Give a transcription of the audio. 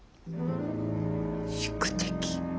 宿敵。